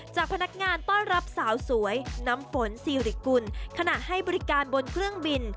พนักงานต้อนรับสาวสวยน้ำฝนซีริกุลขณะให้บริการบนเครื่องบิน